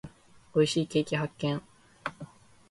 美味しいケーキ発見。